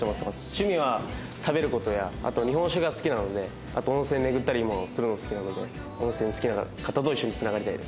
趣味は食べる事やあと日本酒が好きなのであと温泉巡ったりもするの好きなので温泉好きな方と一緒に繋がりたいです。